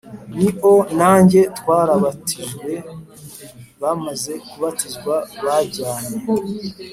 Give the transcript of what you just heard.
Nio nanjye twarabatijwe bamaze kubatizwa bajyanye